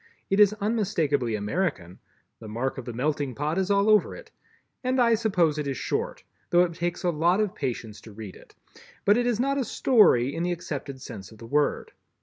It is unmistakably American—the mark of the "Melting Pot" is all over it—and I suppose it is Short, though it takes a lot of patience to read it, but it is not a story in the accepted sense of the word.